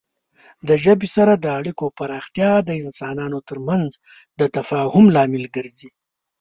د ژبې سره د اړیکو پراختیا د انسانانو ترمنځ د تفاهم لامل ګرځي.